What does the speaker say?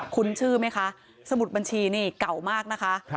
ชื่อไหมคะสมุดบัญชีนี่เก่ามากนะคะ